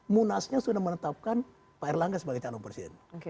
munasnya sudah menetapkan pak erlangga sebagai calon presiden